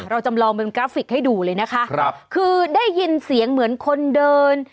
จำลองเป็นกราฟิกให้ดูเลยนะคะครับคือได้ยินเสียงเหมือนคนเดิน